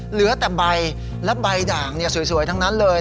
เหลือแต่ใบและใบด่างสวยทั้งนั้นเลย